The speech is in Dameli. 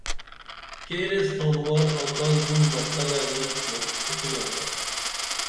کیریس تانُوار آڅال بُن بہ تگہ اینچ بہ پُھوٹُکِناتا